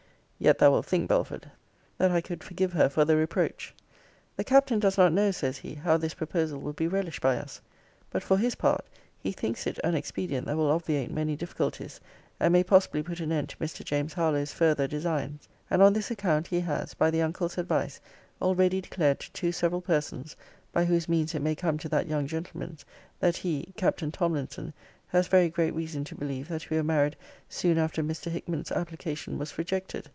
Yet thou wilt think, Belford, that I could forgive her for the reproach. 'The Captain does not know, says he, how this proposal will be relished by us. But for his part, he thinks it an expedient that will obviate many difficulties, and may possibly put an end to Mr. James Harlowe's further designs: and on this account he has, by the uncle's advice, already declared to two several persons, by whose means it may come to that young gentleman's, that he [Captain Tomlinson] has very great reason to believe that we were married soon after Mr. Hickman's application was rejected.